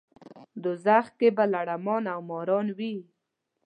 دوزخ کې به لړمان او ماران وي.